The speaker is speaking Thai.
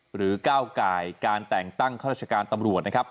หรือเก้าไกลการแต่งตั้งเข้ารัชการตำรวจนะครับ